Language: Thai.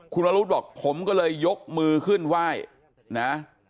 คุณวรวุฒิภูศรีบอกผมก็เลยยกมือขึ้นไหว้นะ